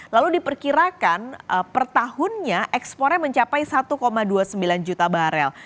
lalu diperkirakan per tahunnya ekspornya mencapai satu dua puluh sembilan juta barel